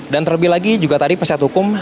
dan terlebih lagi juga tadi penyelidikan hukum